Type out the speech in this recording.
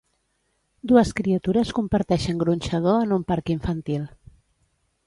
Dues criatures comparteixen gronxador en un parc infantil.